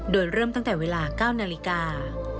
โดยเริ่มตั้งแต่เวลา๙นาฬิกา